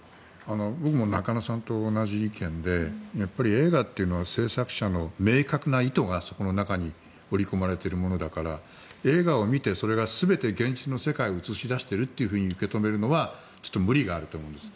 僕も中野さんと同じ意見で映画っていうのは制作者の明確な意図がそこの中に織り込まれているものだから映画を見てそれが全て現実の世界を映し出していると受け止めるのはちょっと無理があると思います。